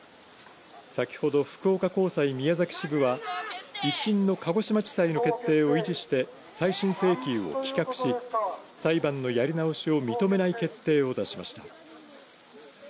先ほど福岡高裁宮崎支部は１審の鹿児島地裁の決定を維持して再審請求を棄却し裁判のやり直しを認めない決定を出しました。